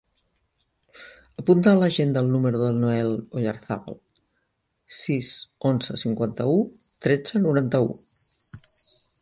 Apunta a l'agenda el número del Noel Oyarzabal: sis, onze, cinquanta-u, tretze, noranta-u.